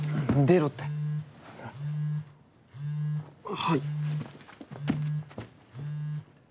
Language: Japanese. はい。